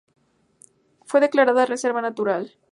Fue declarada reserva natural.